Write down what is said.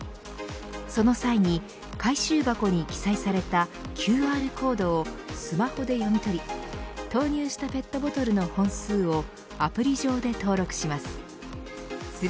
その際に回収箱に記載されたＱＲコードをスマホで読み取り投入したペットボトルの本数をアプリ上で登録します。